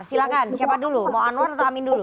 silahkan siapa dulu mau anwar atau amin dulu